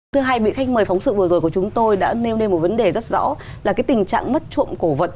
thưa hai vị khách mời phóng sự vừa rồi của chúng tôi đã nêu lên một vấn đề rất rõ là tình trạng mất trộm cổ vật